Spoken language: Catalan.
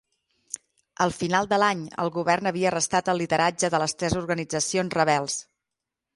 Al final de l'any, el govern havia arrestat el lideratge de les tres organitzacions rebels.